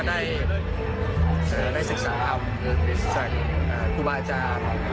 ก็ได้ศึกษาทำจากครูบาอาจารย์